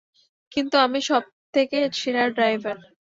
কিন্তু, আমি সবথেকে সেরা ড্রাইভার।